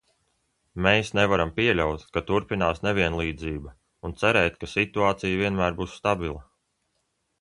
Mēs nevaram pieļaut, ka turpinās nevienlīdzība, un cerēt, ka situācija vienmēr būs stabila.